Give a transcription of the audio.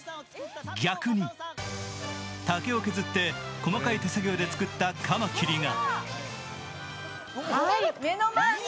逆に、竹を削って細かい手作業で作ったカマキリが。